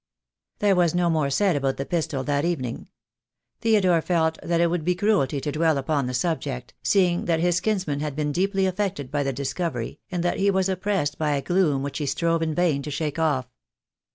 There was no more said about the pistol that even ing. Theodore felt that it would be cruelty to dwell upon the subject, seeing that his kinsman had been deeply affected by the discovery, and that he was oppressed by a gloom which he strove in vain to shake off.